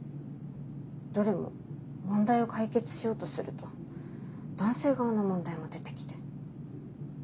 どれも問題を解決しようとすると男性側の問題も出て来て。